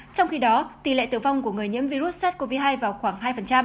trong khi đó tỷ lệ tử vong của người nhiễm virus sars cov hai vào khoảng hai